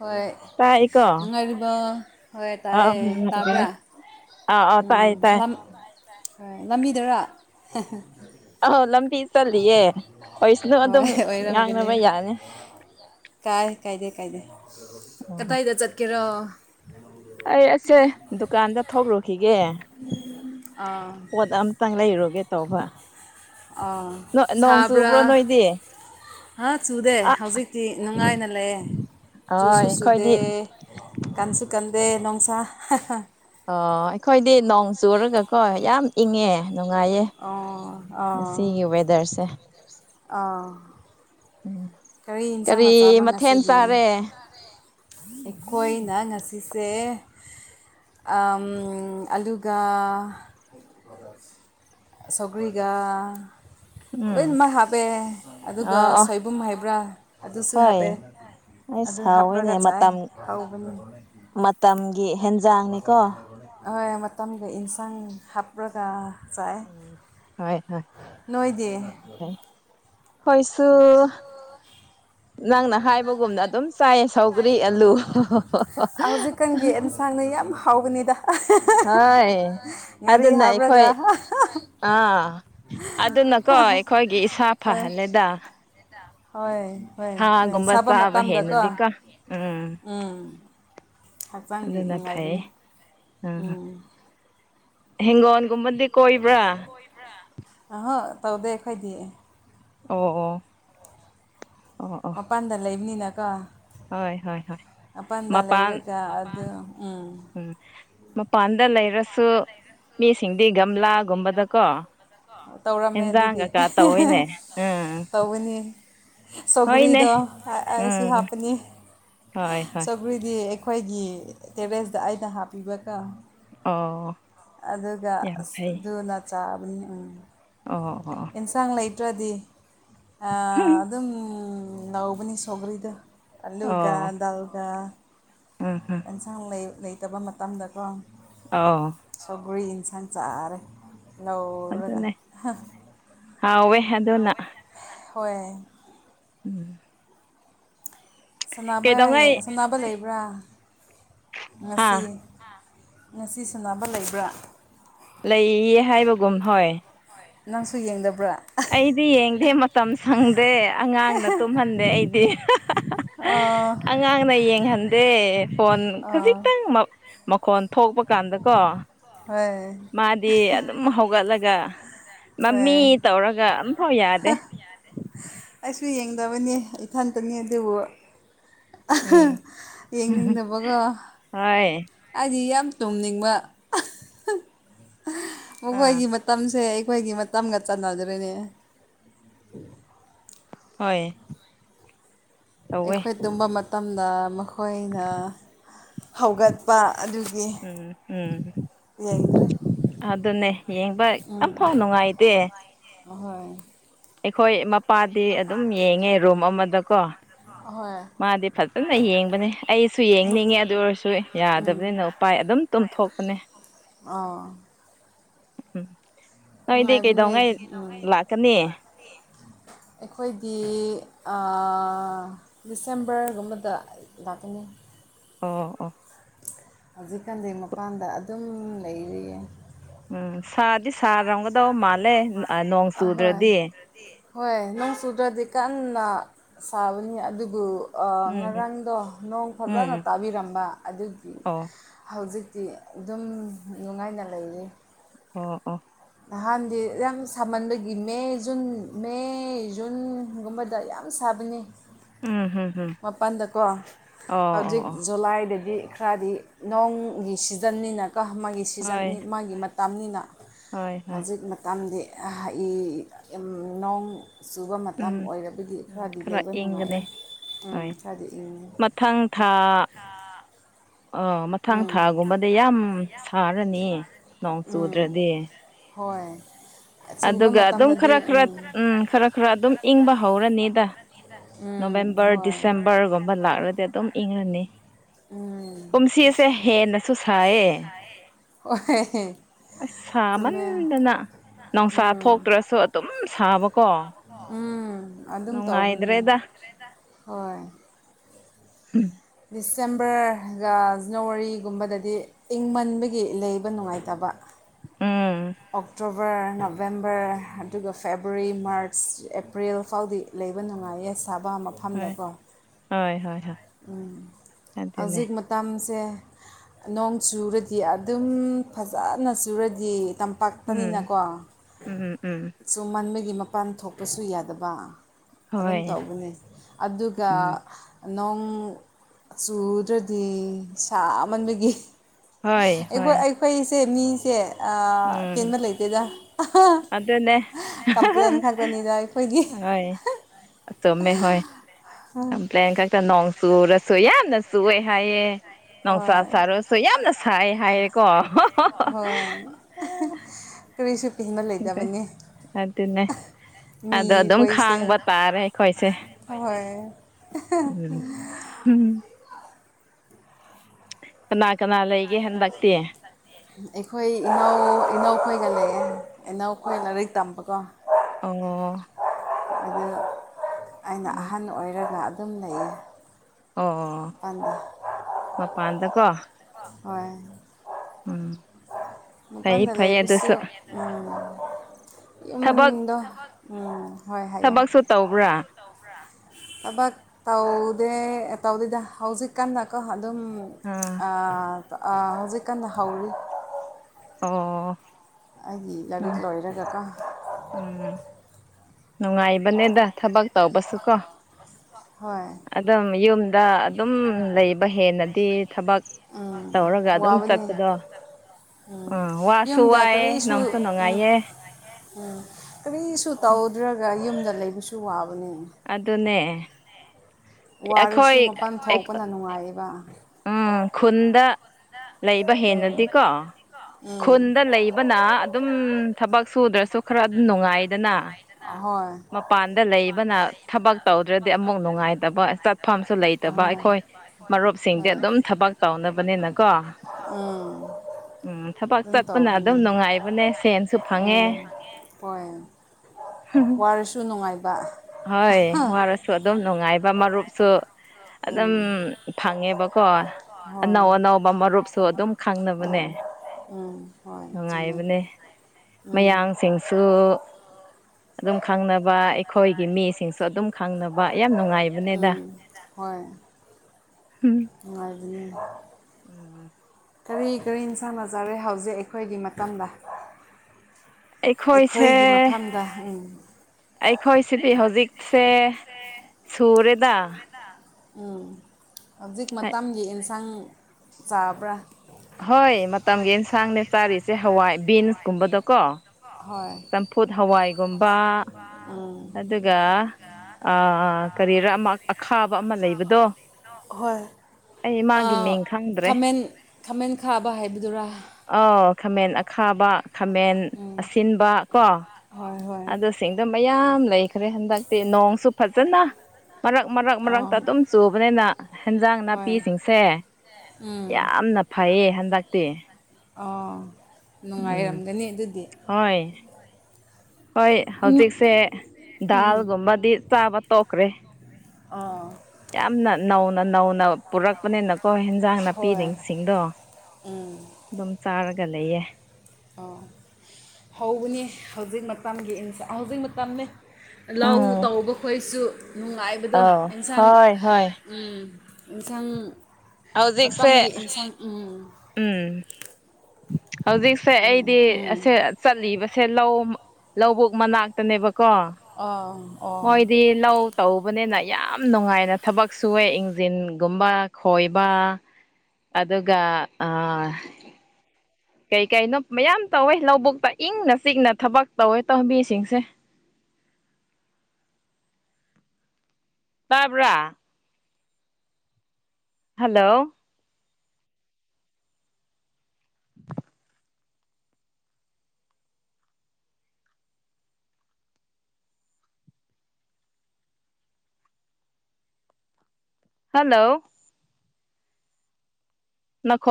ꯍꯣꯏ ꯇꯥꯏꯀꯣ ꯅꯨꯡꯉꯥꯏꯔꯤꯕꯣ ꯍꯣꯏ ꯇꯥꯏꯌꯦ ꯇꯥꯕ꯭ꯔꯥ ꯑꯥꯑꯥ ꯇꯥꯏ ꯎꯝ ꯇꯥꯏ ꯂꯝ ꯍꯣꯏ ꯂꯝꯕꯤꯗꯔ [unintelligible] ꯑꯧ ꯂꯝꯕꯤ ꯆꯠꯂꯤꯌꯦ ꯑꯣꯏꯁꯅꯨ ꯑꯗꯨꯝ ꯍꯣꯏ ꯑꯣꯏꯔꯝꯒꯅꯤ ꯉꯥꯡꯅꯕ ꯌꯥꯅꯤ ꯀꯥꯏ ꯀꯥꯏꯗꯦ ꯀꯥꯏꯗꯦ ꯑꯣ ꯀꯗꯥꯏꯗ ꯆꯠꯀꯦꯔꯣ ꯑꯩ ꯑꯁꯦ ꯗꯨꯀꯥꯟꯗ ꯊꯣꯛꯔꯨꯈꯤꯒꯦ ꯑꯥ ꯄꯣꯠ ꯑꯝ ꯇꯪ ꯂꯩꯔꯨꯒꯦ ꯇꯧꯕ ꯑꯥ ꯅꯣꯏ ꯅꯣꯡ ꯁꯥꯕ꯭ꯔꯥ ꯆꯨꯕ꯭ꯔꯣ ꯅꯣꯏꯗꯤ ꯍꯥ ꯆꯨꯗꯦ ꯑ ꯍꯧꯖꯤꯛꯇꯤ ꯅꯨꯡꯉꯥꯏꯅ ꯂꯩꯌꯦ ꯍꯣꯏ ꯆꯨꯁꯨ ꯆꯨꯗꯦ ꯑꯩꯈꯣꯏꯗꯤ ꯀꯟꯁꯨ ꯀꯟꯗꯦ ꯅꯨꯡꯁꯥ ꯍꯥꯍꯥ ꯑꯣ ꯑꯩꯈꯣꯏꯗꯤ ꯅꯣꯡ ꯆꯨꯔꯒꯀꯣ ꯌꯥꯝ ꯏꯪꯉꯦ ꯅꯨꯡꯉꯥꯏꯌꯦ ꯑꯣ ꯑꯣ ꯉꯁꯤꯒꯤ ꯋꯦꯗ꯭ꯔꯁꯦ ꯑꯥ ꯎꯝ ꯀꯔꯤ ꯏꯟꯁꯥꯡꯅ ꯆꯥꯕ ꯃꯊꯦꯜ ꯉꯁꯤꯗꯤ ꯀꯔꯤ ꯃꯊꯦꯜ ꯆꯥꯔꯦ ꯆꯥꯔꯦ ꯑꯩꯈꯣꯏꯅ ꯉꯁꯤꯁꯦ ꯑꯝ ꯑꯂꯨꯒ ꯁꯧꯒ꯭ꯔꯤꯒ ꯎꯝ ꯂꯣꯏꯅꯃꯛ ꯍꯥꯞꯄꯦ ꯑ ꯑꯗꯨꯒ ꯑ ꯁꯣꯏꯕꯨꯝ ꯍꯥꯏꯕ꯭ꯔꯥ ꯑꯗꯨꯁꯨ ꯍꯣꯏ ꯍꯥꯞꯄꯦ ꯑꯩ ꯑꯗꯨ ꯁꯥꯎꯋꯦꯅꯦ ꯍꯥꯞꯄꯔꯒ ꯆꯥꯏ ꯃꯇꯝ ꯍꯥꯎꯕꯅꯤ ꯃꯇꯝꯒꯤ ꯍꯦꯟꯖꯥꯡꯅꯤꯀꯣ ꯍꯣꯏ ꯃꯇꯝꯒꯤ ꯏꯟꯁꯥꯡ ꯍꯥꯞꯔꯥꯒ ꯆꯥꯏ ꯎꯝ ꯍꯣꯏ ꯍꯣꯏ ꯅꯣꯏꯗꯤ ꯈꯣꯏꯁꯨ ꯅꯪꯅ ꯍꯥꯏꯕꯒꯨꯝꯅ ꯑꯗꯨꯝ ꯆꯥꯏꯌꯦ ꯁꯧꯒ꯭ꯔꯤ ꯑꯂꯨ [unintelligible] ꯀꯪꯒꯤ ꯑꯦꯟꯁꯥꯡꯗꯣ ꯌꯥꯝ ꯍꯥꯎꯕꯅꯤꯗ ꯍꯣꯏ ꯉꯥꯔꯤ ꯑꯗꯨꯅ ꯑꯩꯈꯣꯏ ꯍꯥꯞꯂꯒ ꯑꯥ ꯑꯗꯨꯅꯀꯣ ꯑꯩꯈꯣꯏꯒꯤ ꯏꯁꯥ ꯍꯣꯏ ꯐꯍꯜꯂꯦꯗ ꯍꯣꯏ ꯍꯣꯏ ꯍꯣꯏ ꯁꯥꯒꯨꯝꯕ ꯁꯥꯕ ꯆꯥꯕ ꯃꯇꯝꯗꯀꯣ ꯍꯦꯟꯅꯗꯤꯀꯣ ꯎꯝ ꯎꯝ ꯍꯛꯆꯥꯡꯗꯤ ꯅꯨꯡꯉꯥꯏꯕꯅꯦ ꯑꯥ ꯍꯤꯡꯒꯣꯟ ꯍꯤꯡꯒꯣꯜ ꯒꯇꯤ ꯀꯣꯏꯕ꯭ꯔꯥ ꯑꯥꯍꯥ ꯇꯧꯗꯦ ꯑꯩꯈꯣꯏꯗꯤ ꯑꯣ ꯑꯣ ꯑꯣ ꯃꯄꯥꯟꯗ ꯂꯩꯕꯅꯤꯅꯀꯣ ꯍꯣꯏ ꯍꯣꯏ ꯍꯣꯏ ꯑꯄꯥꯟꯗ ꯃꯄꯥꯟ ꯂꯩꯔꯒ ꯑꯗꯨ ꯎꯝ ꯎꯝ ꯃꯄꯥꯟꯗ ꯂꯩꯔꯁꯨ ꯃꯤꯁꯤꯡꯗꯤ ꯒꯝꯂꯥꯒꯨꯝꯕꯗꯀꯣ ꯇꯧꯔꯝꯃꯦ ꯍꯦꯟꯖꯥꯡ ꯑꯗꯨꯗꯤ ꯀꯀꯥ ꯇꯧꯋꯤꯅꯦ ꯎꯝ [unintelligible] ꯇꯧꯒꯅꯤ ꯍꯣꯏꯅꯦ ꯁꯧꯒ꯭ꯔꯤꯗꯣ ꯑꯥ ꯑꯩꯁꯨ ꯎꯝ ꯍꯥꯞꯄꯅꯤ ꯍꯣꯏ ꯍꯣꯏ ꯁꯧ ꯁꯧꯒ꯭ꯔꯤꯗꯤ ꯑꯩꯈꯣꯏꯒꯤ ꯇꯦꯔꯦꯁꯇ ꯑꯩꯅ ꯍꯥꯞꯄꯤꯕꯀꯣ ꯑꯣ ꯑꯗꯨꯒ ꯌꯥꯝ ꯑꯁ ꯐꯩ ꯑꯗꯨꯨꯅ ꯆꯥꯕꯅꯤ ꯎꯝ ꯑꯣ ꯑꯣ ꯑꯣ ꯍꯤꯟꯁꯥꯡ ꯂꯩꯇ꯭ꯔꯗꯤ ꯑꯥ ꯑꯗꯨꯝ ꯅꯧꯕꯅꯤ ꯁꯧꯒ꯭ꯔꯤꯗꯣ ꯑꯂꯨꯒ ꯑꯣ ꯗꯥꯜꯒ ꯎꯝ ꯎꯝ ꯑꯦꯟꯁꯥꯡ ꯂꯩ ꯂꯩꯇꯕ ꯃꯇꯝꯗꯀꯣ ꯑꯧ ꯁꯧꯒ꯭ꯔꯤ ꯏꯟꯁꯥꯡ ꯆꯥꯔꯦ ꯂꯧꯔꯒ ꯑꯗꯨꯅꯦ ꯍꯥꯎꯋꯦ ꯑꯗꯨꯅ ꯍꯣꯏ [inaudible] ꯁꯥꯟꯅꯕ ꯀꯩꯗꯧꯉꯩ ꯌꯦꯡ ꯁꯥꯟꯅꯕ ꯂꯩꯕ꯭ꯔꯥ ꯍꯥ ꯉꯁꯤ ꯉꯁꯤ ꯁꯥꯟꯅꯕ ꯂꯩꯕ꯭ꯔꯥ ꯂꯩꯌꯦ ꯍꯥꯏꯕꯒꯨꯝ ꯍꯣꯏ ꯅꯪꯁꯨ ꯌꯦꯡꯗꯕ꯭ꯔꯥ ꯑꯩꯗꯤ ꯌꯦꯡꯗꯦ ꯃꯇꯝ ꯁꯪꯗꯦ ꯑꯉꯥꯡꯅ ꯇꯨꯝꯍꯟꯗꯦ ꯑꯩꯗꯤ ꯑꯥ ꯑꯉꯥꯡꯅ ꯌꯦꯡꯍꯟꯗꯦ ꯐꯣꯟ ꯑꯥ ꯈꯖꯤꯛꯇꯪꯃꯛ ꯃꯈꯣꯟ ꯊꯣꯛꯄ ꯀꯥꯟꯗꯀꯣ ꯍꯣꯏ ꯃꯥꯗꯤ ꯑꯗꯨꯝ ꯍꯧꯒꯠꯂꯒ ꯍꯣꯏ ꯃꯃꯤ ꯇꯧꯔꯒ ꯑꯝꯐꯥꯎ ꯌꯥꯗꯦ ꯑꯩꯁꯨ ꯌꯦꯡꯗꯕꯅꯤ ꯏꯊꯟꯇꯅꯤ ꯑꯗꯨꯕꯨ ꯑꯍꯥ ꯎꯝ ꯌꯦꯡꯅꯤꯡꯗꯕꯒ ꯍꯣꯏ ꯍꯥꯏꯗꯤ ꯌꯥꯝ ꯇꯨꯝꯅꯤꯡꯕ ꯑꯥ ꯃꯈꯣꯏꯒꯤ ꯃꯇꯝꯁꯦ ꯑꯩꯈꯣꯏꯒꯤ ꯃꯇꯝꯒ ꯆꯥꯟꯅꯗ꯭ꯔꯦꯅꯦ ꯍꯣꯏ ꯇꯧꯋꯦ ꯑꯩꯈꯣꯏ ꯇꯨꯝꯕ ꯃꯇꯝꯗ ꯃꯈꯣꯏꯅ ꯍꯧꯒꯠꯄ ꯑꯗꯨꯒꯤ ꯎꯝ ꯎꯝ ꯌꯦꯡꯗ꯭ꯔꯤ ꯑꯗꯨꯅꯦ ꯌꯦꯡꯕ ꯑꯝ ꯐꯥꯎ ꯅꯨꯡꯉꯥꯏꯇꯦ ꯑꯍꯣꯏ ꯑꯩꯈꯣꯏ ꯃꯄꯥꯗꯤ ꯑꯗꯨꯝ ꯌꯦꯡꯉꯦ ꯔꯨꯝ ꯑꯃꯗꯀꯣ ꯍꯣꯏ ꯃꯥꯗꯤ ꯐꯖꯅ ꯌꯦꯡꯕꯅꯤ ꯑꯩꯁꯨ ꯌꯦꯡꯅꯤꯡꯉꯦ ꯑꯗꯨ ꯑꯣꯏꯔꯁꯨ ꯌꯥꯗꯕꯅꯤꯅ ꯎꯄꯥꯏ ꯑꯗꯨꯝ ꯇꯨꯝꯊꯣꯛꯄꯅꯦ ꯑꯥ ꯎꯝ ꯅꯣꯏꯗꯤ ꯅꯨꯡꯉꯥꯏꯕꯅꯦ ꯀꯩꯗꯧꯉꯩ ꯎꯝ ꯂꯥꯛꯀꯅꯤ ꯑꯩꯈꯣꯏꯗꯤ ꯑꯥ ꯗꯤꯁꯦꯝꯕꯔꯒꯨꯝꯕꯗ ꯂꯥꯛꯀꯅꯤ ꯑꯣ ꯑꯣ ꯍꯧꯖꯤꯛꯀꯥꯟꯗꯤ ꯃꯄꯥꯟꯗ ꯑꯗꯨꯝ ꯂꯩꯔꯤꯌꯦ ꯎꯝ ꯁꯥꯗꯤ ꯁꯥꯔꯝꯒꯗꯧꯕ ꯃꯥꯜꯂꯦ ꯅꯣꯡ ꯑꯍꯣꯏ ꯆꯨꯗ꯭ꯔꯗꯤ ꯍꯣꯏ ꯅꯣꯡ ꯆꯨꯗ꯭ꯔꯗꯤ ꯀꯟꯅ ꯁꯥꯕꯅꯤ ꯑꯗꯨꯕꯨ ꯑ ꯎꯝ ꯉꯔꯥꯡꯗꯣ ꯅꯣꯡ ꯐꯖꯅ ꯎꯝ ꯇꯥꯕꯤꯔꯝꯕ ꯑꯗꯨꯒꯤ ꯑꯣ ꯍꯧꯖꯤꯛ ꯗꯤ ꯑꯗꯨꯝ ꯅꯨꯡꯉꯥꯏꯅ ꯂꯩꯔꯤ ꯑꯣ ꯑꯣ ꯅꯍꯥꯟꯗꯤ ꯌꯥꯝ ꯁꯥꯃꯟꯕꯒꯤ ꯃꯦ ꯖꯨꯟ ꯃꯦ ꯖꯨꯟꯒꯨꯝꯕꯗ ꯌꯥꯝ ꯁꯥꯕꯅꯤ ꯎꯝ ꯍꯝ ꯍꯝ ꯃꯄꯥꯟꯗꯀꯣ ꯑꯣ ꯑꯣ ꯍꯧꯖꯤꯛ ꯑꯣ ꯖꯨꯂꯥꯏꯗꯒꯤ ꯈꯔꯗꯤ ꯅꯣꯡꯒꯤ ꯁꯤꯖꯟꯅꯤꯅꯀꯣ ꯃꯥꯒꯤ ꯁꯤꯖꯟ ꯍꯣꯏ ꯃꯥꯒꯤ ꯃ ꯃꯇꯝꯅꯤꯅ ꯍꯣꯏ ꯍꯣꯏ ꯍꯧꯖꯤꯛ ꯃꯇꯝꯗꯤ ꯑ ꯏ ꯅꯣꯡ ꯆꯨꯕ ꯃꯇꯝ ꯎꯝ ꯑꯣꯏꯔꯕꯒꯤ ꯎꯝ ꯈꯔꯗꯤ ꯈꯔ ꯂꯩꯕ ꯅꯨꯡꯉꯥꯏꯌꯦ ꯏꯪꯒꯅꯤ ꯎꯝ ꯍꯣꯏ ꯈꯔꯗꯤ ꯏꯪꯉꯦ ꯃꯊꯪ ꯊꯥ ꯑ ꯃ ꯃꯊꯪ ꯎꯝ ꯊꯥꯒꯨꯝꯕꯗꯤ ꯌꯥꯝ ꯁꯥꯔꯅꯤ ꯅꯣꯡ ꯎꯝ ꯆꯨꯗ꯭ꯔꯗꯤ ꯍꯣꯏ ꯑꯗꯨꯒ ꯑꯗꯨꯝ ꯈꯔ ꯈꯔ ꯎꯝ ꯈꯔ ꯈꯔ ꯑꯗꯨꯝ ꯏꯪꯕ ꯍꯧꯔꯅꯤꯗꯥ ꯎꯝ ꯅꯣꯕꯦꯝꯕꯔ ꯍꯣꯏ ꯗꯤꯁꯦꯝꯕꯔꯒꯨꯝꯕ ꯂꯥꯛꯔꯗꯤ ꯑꯗꯨꯝ ꯏꯪꯔꯅꯤ ꯎꯝ ꯀꯨꯝꯁꯤꯁꯦ ꯍꯦꯟꯅꯁꯨ ꯁꯥꯏꯌꯦ ꯍꯣꯏ ꯑꯁ ꯆꯨꯝꯃꯦ ꯁꯥꯃꯟꯗꯅ ꯅꯨꯡꯁꯥ ꯊꯣꯛꯇ꯭ꯔꯁꯨ ꯑꯗꯨꯝ ꯁꯥꯕꯀꯣ ꯎꯝ ꯑꯗꯨꯝ ꯇꯧꯕꯅꯤ ꯅꯨꯡꯉꯥꯏꯗ꯭ꯔꯦꯗ ꯍꯣꯏ ꯎꯝ ꯗꯤꯁꯦꯝꯕꯔꯒ ꯖꯅꯋꯥꯔꯤꯒꯨꯝꯕꯗꯗꯤ ꯏꯪꯃꯟꯕꯒꯤ ꯂꯩꯕ ꯅꯨꯡꯉꯥꯏꯇꯕ ꯎꯝ ꯑꯣꯛꯇꯣꯕꯔ ꯅꯕꯦꯝꯕꯔ ꯑꯗꯨꯒ ꯐꯦꯕꯋꯥꯔꯤ ꯃꯥꯔꯆ ꯑꯦꯄ꯭ꯔꯤꯜ ꯐꯥꯎꯗꯤ ꯂꯩꯕ ꯅꯨꯡꯉꯥꯏꯌꯦ ꯁꯥꯕ ꯃ ꯍꯣꯏ ꯐꯝꯗꯀꯣ ꯍꯣꯏ ꯎꯝ ꯑꯗꯨꯅꯦ ꯍꯧꯖꯤꯛ ꯃꯠ ꯇꯝꯁꯦ ꯅꯣꯡ ꯆꯨꯔꯗꯤ ꯑꯗꯨꯝ ꯐꯖꯥꯅ ꯆꯨꯔꯗꯤ ꯇꯝ ꯎꯝ ꯄꯥꯛꯇꯅꯤꯅꯀꯣ ꯎꯝ ꯎꯝ ꯆꯨꯃꯟꯕꯒꯤ ꯃꯄꯥꯟ ꯊꯣꯛꯄꯁꯨ ꯌꯥꯗꯕ ꯫ ꯑꯗꯨꯝ ꯍꯣꯏ ꯇꯧꯕꯅꯤ ꯑꯗꯨꯒ ꯎꯝ ꯅꯣꯡ ꯆꯨꯗ꯭ꯔꯗꯤ ꯁꯥꯃꯟꯕꯒꯤ ꯍꯣꯏ ꯑꯩꯈꯣꯏ ꯍꯣꯏ ꯑꯩꯈꯣꯏꯁꯦ ꯃꯤꯁꯦ ꯑꯥ ꯎꯝ ꯄꯦꯟꯕ ꯂꯩꯇꯦꯗ ꯑꯗꯨꯅꯦ ꯀꯝꯄ꯭ꯂꯦꯟ ꯈꯛꯇꯅꯤꯗ ꯑꯩꯈꯣꯏꯒꯤ ꯑꯆꯨꯝꯃꯦ ꯍꯣꯏ ꯄ꯭ꯂꯦꯟ ꯈꯛꯇ ꯅꯣꯡ ꯆꯨꯔꯁꯨ ꯌꯥꯝꯅ ꯆꯨꯋꯦ ꯍꯥꯏꯌꯦ ꯫ ꯅꯨꯡꯁꯥ ꯍꯣꯏ ꯁꯥꯔꯁꯨ ꯌꯥꯝꯅ ꯁꯥꯏ ꯍꯥꯏꯌꯦꯀꯣ ꯫ ꯍꯣꯏ ꯀꯔꯤꯁꯨ ꯄꯦꯟꯕ ꯂꯩꯇꯕꯅꯤ ꯑꯗꯨꯅꯦ ꯫ ꯑꯗꯣ ꯑꯗꯨꯝ ꯈꯥꯡꯕ ꯇꯥꯔꯦ ꯑꯩꯈꯣꯏꯁꯦ ꯫ ꯍꯣꯏ ꯎꯝ ꯀꯅꯥ ꯀꯅꯥ ꯂꯩꯒꯦ ꯍꯟꯗꯛꯇꯤ ꯫ ꯑꯩꯈꯣꯏ ꯏꯅꯧ ꯏꯅꯧꯈꯣꯏꯒ ꯂꯩꯌꯦ ꯏꯅꯧꯈꯣꯏ ꯂꯥꯏꯔꯤꯛ ꯇꯝꯕꯀꯣ ꯫ ꯑꯣ ꯑꯗꯨ ꯑꯩꯅ ꯑꯣ ꯑꯍꯟ ꯑꯣꯏꯔꯒ ꯑꯗꯨꯝ ꯂꯩꯌꯦ ꯫ ꯑꯣ ꯃꯄꯥꯟꯗꯤ ꯃꯄꯥꯟꯗꯀꯣ ꯍꯣꯏ ꯎꯝ ꯐꯩꯌꯤ ꯃꯄꯥꯟꯗ ꯐꯩꯌꯦ ꯂꯩꯕꯁꯨ ꯑꯗꯨꯁꯨ ꯎꯝ ꯊꯕꯛ ꯌꯨꯝꯗꯣ ꯎꯝ ꯍꯣꯏ ꯍꯥꯏꯌꯣ ꯊꯕꯛꯁꯨ ꯫ ꯇꯧꯕꯔ꯭ꯥ ꯊꯕꯛ ꯇꯧꯗꯦ ꯇꯧꯗꯦꯗ ꯍꯧꯖꯤꯛꯀꯟꯅꯀꯣ ꯑꯗꯨꯝ ꯫ ꯑꯥ ꯑꯥ ꯑꯥ ꯍꯧꯖꯤꯛ ꯀꯟꯅ ꯍꯧꯔꯤ ꯫ ꯑꯣ ꯑꯩꯒꯤ ꯂꯥꯔꯤꯛ ꯂꯣꯏꯔꯒꯀꯣ꯫ ꯅꯨꯡꯉꯥꯏꯕꯅꯦꯗꯥ ꯊꯕꯛ ꯇꯧꯕꯁꯨ ꯀꯣ ꯫ ꯍꯣꯏ ꯑꯗꯨꯝ ꯌꯨꯝꯗ ꯫ ꯗꯨꯝ ꯂꯩꯕ ꯍꯦꯟꯅꯗꯤ ꯊꯕꯛ ꯎꯝ ꯇꯧꯔꯒ ꯑꯗꯨꯝ ꯋꯥꯕꯅꯤ ꯆꯠꯄꯗꯣ ꯫ ꯎꯝ ꯑ ꯋꯥꯁꯨ ꯌꯨꯝꯗ ꯋꯥꯏꯌꯦ ꯀꯔꯤꯁꯨ ꯅꯨꯡꯁꯨ ꯎꯝ ꯅꯨꯡꯉꯥꯏꯌꯦ ꯫ ꯎꯝ ꯀꯔꯤꯁꯨ ꯇꯧꯗ꯭ꯔꯒ ꯌꯨꯝꯗ ꯂꯩꯕꯁꯨ ꯋꯥꯕꯅꯦ ꯑꯗꯨꯅꯦ ꯋꯥꯔꯁꯨ ꯑꯩꯈꯣꯏ ꯃꯄꯥꯟ ꯊꯣꯛꯄꯅ ꯅꯨꯡꯉꯥꯏꯌꯦꯕ ꯎꯝ ꯈꯨꯟꯗ ꯂꯩꯕ ꯍꯦꯟꯅꯗꯤꯀꯣ ꯎꯝ ꯈꯨꯟꯗ ꯂꯩ ꯕꯅꯥ ꯑꯗꯨꯝ ꯊꯕꯛ ꯁꯨꯗ꯭ꯔꯁꯨ ꯈꯔ ꯑꯗꯨꯝ ꯅꯨꯡꯉꯥꯏꯗꯅ ꯗꯥꯅꯥ ꯑꯍꯣꯏ ꯃꯄꯥꯟꯗ ꯂꯩꯕꯅ ꯊꯕꯛ ꯇꯧꯗ꯭ꯔꯗꯤ ꯑꯃꯨꯛ ꯅꯨꯡꯉꯥꯏꯇꯕ ꯆꯠꯐꯝꯁꯨ ꯂꯩꯇꯕ ꯑꯩꯈꯣꯏ ꯃꯔꯨꯞꯁꯤꯡꯗꯤ ꯍꯣꯏ ꯑꯗꯨꯝ ꯊꯕꯛ ꯇꯧꯅꯕꯅꯦꯅꯀꯣ ꯎꯝ ꯎꯝ ꯊꯕꯛ ꯑꯗꯨꯝ ꯆꯠꯄꯅ ꯇꯧꯕꯅꯦ ꯑꯗꯨꯝ ꯅꯨꯡꯉꯥꯏꯕꯅꯦ ꯁꯦꯟꯁꯨ ꯐꯪꯉꯦ ꯎꯝ ꯍꯣꯏ ꯋꯥꯔꯁꯨ ꯅꯨꯡꯉꯥꯏꯕ ꯍꯣꯏ ꯋꯥꯔꯁꯨ ꯑꯗꯨꯝ ꯅꯨꯡꯉꯥꯏꯕ ꯃꯔꯨꯞꯁꯨ ꯎꯝ ꯑꯗꯨꯝ ꯐꯪꯉꯦꯕꯀꯣ ꯍꯣꯏ ꯑꯅꯧ ꯑꯅꯧꯕ ꯃꯔꯨꯞꯁꯨ ꯑꯗꯨꯝ ꯈꯪꯅꯕꯅꯦ ꯍꯣꯏ ꯎꯝ ꯍꯣꯏ ꯆꯨꯝꯃꯦ ꯅꯨꯉꯣꯏꯕꯅꯦ ꯎꯝ ꯥꯉꯥꯡꯁꯤꯡꯁꯨ ꯈꯪꯅꯕ ꯑꯩꯈꯣꯏꯒꯤ ꯃꯤꯁꯤꯡꯁꯨ ꯑꯗꯨꯝ ꯈꯪꯅꯕ ꯌꯥꯝ ꯅꯨꯡꯉꯥꯏ ꯎꯝ ꯅꯨꯉꯥꯏꯕꯅꯦꯗ ꯍꯣꯏ ꯍꯨꯝ ꯅꯨꯡꯉꯥꯏꯕꯅꯤ ꯀꯔꯤ ꯀꯔꯤ ꯏꯟꯁꯥꯡꯅ ꯆꯥꯔꯦ ꯍꯧꯖꯤꯛ ꯑꯩꯈꯣꯏꯒꯤ ꯃꯇꯝꯗ ꯑꯩꯈꯣꯏꯒꯤ ꯃꯐꯝꯗ ꯎꯝ ꯑꯩꯈꯣꯏꯁꯤꯗꯤ ꯍꯧꯖꯤꯛꯁꯦ ꯁꯨꯔꯦꯗ ꯅꯥ ꯎꯝ ꯍꯧꯖꯤꯛ ꯃꯇꯝꯒꯤ ꯏꯟꯁꯥꯡ ꯆꯥꯕ꯭ꯔꯥ? ꯍꯣꯏ ꯃꯇꯝꯒꯤ ꯌꯦꯡꯁꯥꯡꯅꯦ ꯆꯥꯔꯤꯁꯦ ꯍꯋꯥꯏ ꯕꯤꯟꯁ ꯀꯨꯝꯕꯗꯣꯀꯣ ꯍꯣꯏ ꯆꯝꯐꯨꯠ ꯍꯋꯥꯏꯒꯨꯝꯕ ꯑꯠ ꯑꯗꯨꯒ ꯑꯥ ꯀꯔꯤꯔꯥ ꯑꯃ ꯑꯈꯥꯕ ꯑꯃ ꯂꯩꯕꯗꯣ ꯀꯩꯒꯤꯅꯣ ꯑꯍꯣꯏ ꯑꯩ ꯃꯥꯒꯤ ꯑꯥ ꯃꯤꯡ ꯈꯪꯗ꯭ꯔꯦ ꯈꯥꯃꯦꯟ ꯈꯥꯃꯦꯟ ꯈꯥꯕ ꯍꯥꯏꯕꯗꯨꯔꯥ? ꯑꯥꯎ ꯈꯥꯃꯦꯟ ꯑꯈꯥꯕ ꯈꯥꯃꯦꯟ ꯎꯝ ꯑꯁꯤꯟꯕ ꯀꯣ ꯍꯣꯏ ꯍꯣꯏ ꯑꯗꯣꯁꯤꯡꯗꯣ ꯃꯌꯥꯝ ꯂꯩꯈ꯭ꯔꯦ ꯍꯟꯗꯛꯇꯤ ꯅꯣꯡꯁꯨ ꯐꯖꯟꯅꯥ ꯃꯔꯛ ꯃꯔꯛ ꯑꯣ ꯃꯔꯛꯇ ꯑꯗꯨꯝ ꯆꯨꯕꯅꯦꯅ ꯍꯦꯟꯖꯥꯡ ꯍꯣꯏ ꯅꯥꯄꯤꯁꯤꯡꯁꯦ ꯎꯝ ꯑꯝꯅ ꯐꯩꯌꯦ ꯍꯟꯗꯛꯇꯤ ꯑꯣ ꯎꯝ ꯅꯨꯡꯉꯥꯏꯔꯝꯒꯅꯤ ꯑꯗꯨꯗꯤ ꯍꯣꯏ ꯍꯣꯏ ꯎꯝ ꯍꯧꯖꯤꯛꯁꯦ ꯗꯥꯜ ꯎꯝ ꯒꯨꯝꯕꯗꯤ ꯆꯥꯕ ꯇꯣꯛꯈ꯭ꯔꯦ꯫ ꯑꯣ ꯌꯥꯝꯅ ꯅꯧꯅ ꯅꯧꯅꯞ ꯄꯨꯔꯛꯄꯅꯦꯅꯀꯣ ꯍꯦꯟꯖꯥꯡ ꯅꯥꯄꯤ ꯍꯣꯏ ꯅꯤꯡꯁꯤꯡꯗꯣ ꯎꯝ ꯑꯗꯨꯝ ꯆꯥꯔꯒ ꯂꯩꯌꯦ ꯑꯣ ꯍꯧꯒꯅꯤ ꯍꯧꯖꯤꯛ ꯃꯇꯝꯒꯤ ꯏꯟꯁꯡ ꯍꯧꯖꯤꯛ ꯃꯇꯝꯅꯦ ꯂꯧ ꯎꯝ ꯇꯧꯕ ꯈꯣꯏꯁꯨ ꯅꯨꯡꯉꯥꯏꯕ ꯑꯧ ꯍꯣꯏ ꯍꯣꯏ ꯎꯝ ꯏꯟꯁꯥꯡ ꯍꯧꯖꯤꯛꯁꯦ ꯃꯇꯝꯒꯤ ꯏꯟꯁꯥꯡ ꯎꯝ ꯎꯝ ꯍꯧꯖꯤꯛꯁꯦ ꯎꯝ ꯑꯩꯗꯤ ꯎꯝ ꯑꯁꯦ ꯆꯠꯂꯤꯕꯁꯦ ꯂꯧ ꯂꯧꯕꯨꯛ ꯃꯅꯥꯛꯇꯅꯦꯕꯀꯣ ꯑꯥ ꯑꯣ ꯃꯣꯏꯗꯤ ꯂꯧ ꯇꯧꯕꯅꯤꯅ ꯌꯥꯝ ꯅꯨꯡꯉꯥꯏꯅ ꯊꯕꯛ ꯁꯨꯋꯦ ꯏꯟꯖꯤꯟꯒꯨꯝꯕ ꯈꯣꯏꯕ ꯑꯗꯨꯒ ꯑꯥ ꯀꯩ ꯀꯩꯅꯣ ꯃꯌꯥꯝ ꯇꯧꯋꯦ ꯂꯧꯕꯨꯛꯇ ꯏꯪꯅ ꯆꯤꯛꯅ ꯊꯕꯛ ꯇꯧꯋꯦ ꯇꯣꯝꯕꯤꯁꯤꯡꯁꯦ ꯇꯕ꯭ꯔꯥ ꯍꯦꯜꯂꯣ ꯍꯦꯜꯂꯣ ꯅꯈꯣꯟ